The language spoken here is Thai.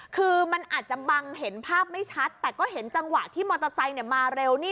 คือมันอาจจะบังเห็นภาพไม่ชัดแต่ก็เห็นจังหวะที่มอเตอร์ไซค์มาเร็วนี่